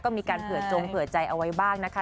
ก็มีการเผื่อจงเผื่อใจเอาไว้บ้างนะคะ